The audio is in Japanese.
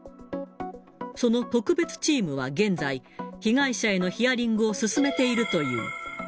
その特別チームは現在、被害者へのヒアリングを進めているという。